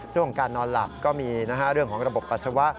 เรื่องของการนอนหลับก็มีเรื่องของระบบปัสสาวะ